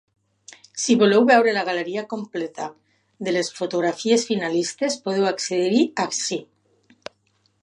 Si voleu veure la galeria completa de les fotografies finalistes podeu accedir-hi ací.